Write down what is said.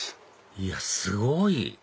いやすごい！